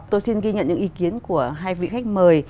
tôi xin ghi nhận những ý kiến của hai vị khách mời